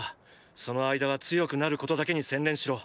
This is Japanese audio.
その間は強くなることだけに専念しろ。